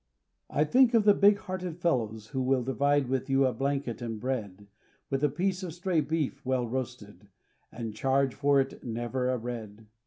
I think of the big hearted fellows Who will divide with you blanket and bread, With a piece of stray beef well roasted, And charge for it never a red.